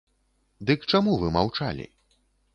Дык чаму вы маўчалі?